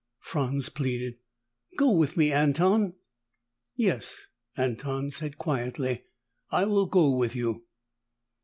Franz pleaded, "Go with me, Anton!" "Yes," Anton said quietly, "I will go with you."